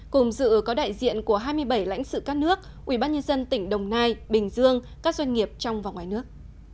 cùng dự có đại diện của hai mươi bảy lãnh sự các nước ủy ban nhân dân tỉnh đồng nai bình dương các doanh nghiệp trong và ngoài nước